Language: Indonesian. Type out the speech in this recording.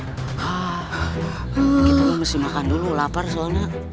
kita mesti makan dulu lapar soana